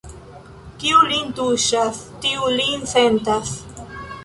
Kiu lin tuŝas, tiu lin sentas.